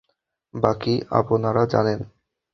বাকি, আপনারা জানেন।